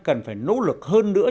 cần phải nỗ lực hơn nữa